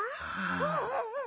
うんうんうん。